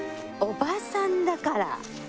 おばさんだから。